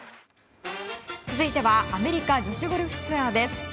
続いてはアメリカ女子ゴルフツアーです。